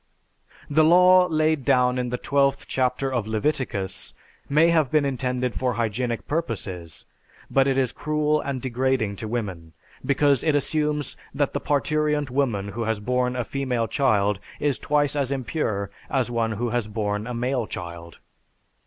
The law laid down in the 12th chapter of Leviticus may have been intended for hygienic purposes but it is cruel and degrading to women because it assumes that the parturient woman who has borne a female child is twice as impure as one who has borne a male child.